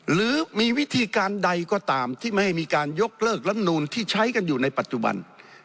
หรือมีวิธีการใดก็ตามที่ไม่ให้มีการยกเลิกลำนูนที่ใช้กันอยู่ในปัจจุบัน